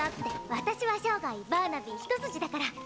私は生涯バーナビー一筋だから！